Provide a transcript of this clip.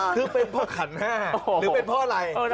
คือเป็นพ่อขันห้าเป็นพ่อไร